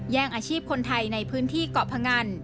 อาชีพคนไทยในพื้นที่เกาะพงัน